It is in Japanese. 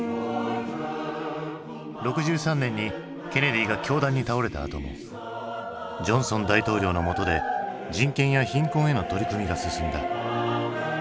６３年にケネディが凶弾に倒れたあともジョンソン大統領のもとで人権や貧困への取り組みが進んだ。